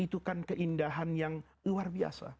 itukan keindahan yang luar biasa